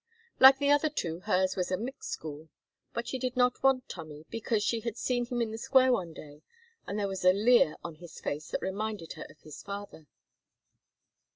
Like the other two hers was a "mixed" school, but she did not want Tommy, because she had seen him in the square one day, and there was a leer on his face that reminded her of his father.